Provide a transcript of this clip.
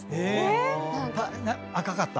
赤かった？